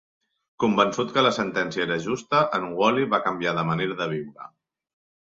Convençut que la sentència era justa, en Wally va canviar de manera de viure.